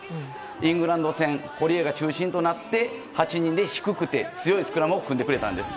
イングランド戦堀江が中心となって８人で低くて強いスクラムを組んでくれたんです。